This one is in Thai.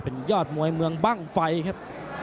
เป็นยอดมวยเมืองบ้างไฟครับ